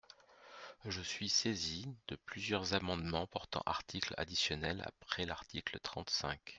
Je suis saisie de plusieurs amendements portant article additionnel après l’article trente-cinq.